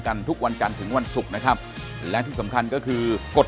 ทุกวันจันทร์ถึงวันศุกร์นะครับและที่สำคัญก็คือกด